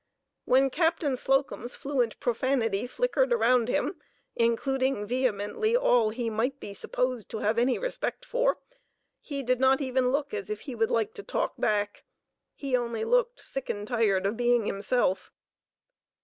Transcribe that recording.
When Captain Slocum's fluent profanity flickered around him, including vehemently all he might be supposed to have any respect for, he did not even look as if he would like to talk back; he only looked sick and tired of being himself.